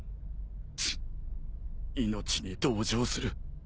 チッ命に同情する。